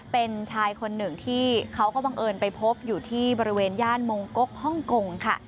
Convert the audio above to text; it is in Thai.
เป็นชายคนหนึ่งที่เขาก็บังเอิญไปพบอยู่ที่บริเวณย่านมงกกฮ่องกงค่ะ